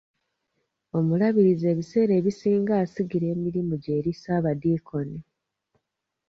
Omulabirizi ebiseera ebisinga asigira emirimu gye eri saabadinkoni.